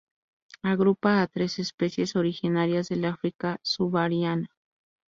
Agrupa a tres especies originarias del África subsahariana.